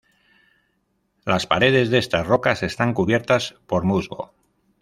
Las paredes de estas rocas están cubiertas por musgo.